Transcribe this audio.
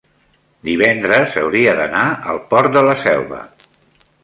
divendres hauria d'anar al Port de la Selva.